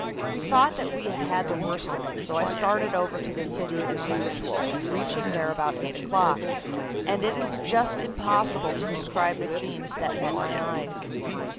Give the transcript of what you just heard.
We thought that we had had the worst of it, so I started over to the city as usual, reaching there about eight o'clock, and it is just impossible to describe the scenes that met my eyes.